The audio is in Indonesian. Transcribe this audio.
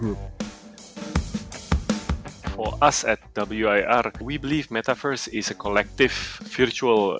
untuk kita di wir kita percaya netaverse adalah ruang kumpulan virtual